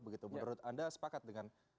menurut anda sepakat dengan